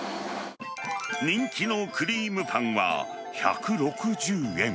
人気のクリームパンは、１６０円。